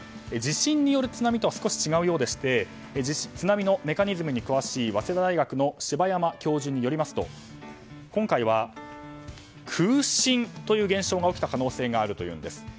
地震による津波とは少し違うようでして津波のメカニズムに詳しい早稲田大学の柴山教授によりますと今回は空振という現象が起きた可能性があるんです。